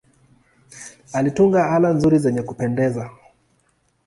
Alitunga ala nzuri zenye kupendeza.